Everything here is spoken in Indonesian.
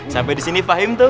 sampai di sini fahim tuh